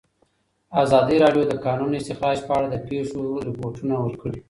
ازادي راډیو د د کانونو استخراج په اړه د پېښو رپوټونه ورکړي.